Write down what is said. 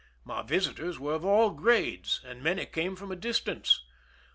My visitors were of all grades, and many came from a distance.